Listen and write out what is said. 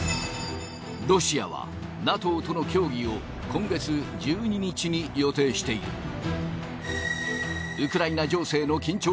ロシアはＮＡＴＯとの協議を今月１２日に予定している。